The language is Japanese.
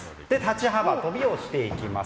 立ち幅跳びをしていきます。